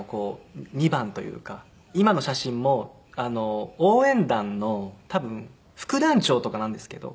今の写真も応援団の多分副団長とかなんですけど。